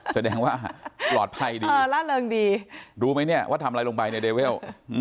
แสดงว่าปลอดภัยดีเออล่าเริงดีรู้ไหมเนี่ยว่าทำอะไรลงไปในเดเวล